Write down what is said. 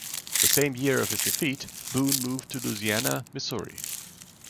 The same year of his defeat, Boon moved to Louisiana, Missouri.